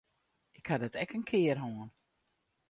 Ik ha dat ek in kear hân.